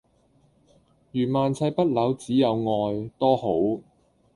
如萬世不朽只有愛多好